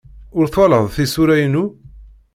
Ur twalaḍ tisura-inu?